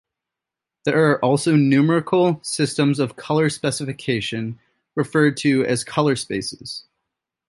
There are also numerical systems of color specification, referred to as color spaces.